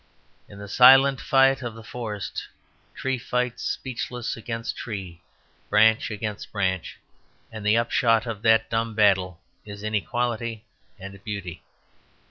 In the silent fight of that forest, tree fights speechless against tree, branch against branch. And the upshot of that dumb battle is inequality and beauty.